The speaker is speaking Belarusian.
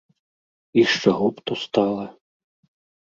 І з чаго б то стала?